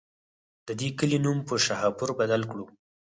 د دې کلي نوم پۀ شاهپور بدل کړو